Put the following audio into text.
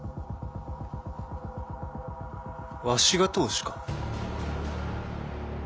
わしが当主か？